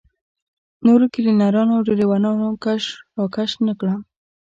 نورو کلینرانو او ډریورانو کش راکش نه کړم.